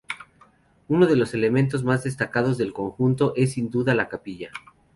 Uno de los elementos más destacados del conjunto es, sin duda, la capilla.